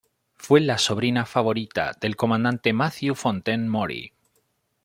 Fue la sobrina favorita del comandante Matthew Fontaine Maury.